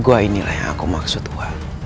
gue inilah yang aku maksud gua